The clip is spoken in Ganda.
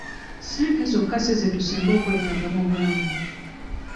Ssente zokka si ze tusinga okwetaaga mu bulalamu.